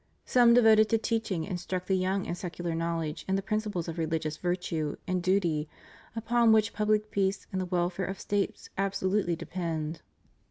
Some devoted to teaching instruct the young in secular knowledge and the principles of religious virtue and duty, upon which pubhc peace and the weKare of States absolutely depend.